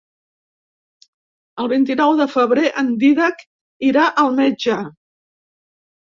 El vint-i-nou de febrer en Dídac irà al metge.